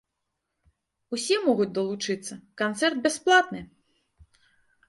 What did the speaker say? Усе могуць далучыцца, канцэрт бясплатны!